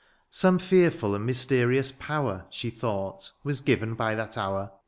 Some fearful and mysterious power. She thought, was given by that hour.